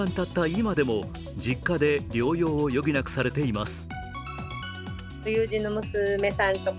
今でも実家で療養を余儀なくされています。